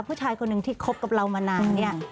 ผู้ชายคนหนึ่งที่คบกับเรามานานเนี่ย